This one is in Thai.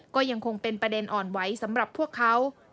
ก็ยังคงเป็นประเด็นอ่อนไหวสำหรับพวกเขา